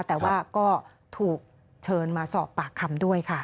แต่ว่าก็ถูกเชิญมาสอบปากคำด้วยค่ะ